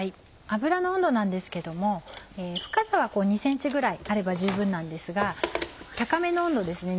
油の温度なんですけども深さは２ｃｍぐらいあれば十分なんですが高めの温度ですね２００